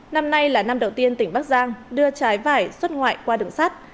năm nay là năm đầu tiên tỉnh bắc giang đưa trái vải xuất ngoại qua đường sắt